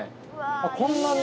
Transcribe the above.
あこんなに。